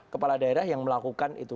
kepala daerah yang melakukan itu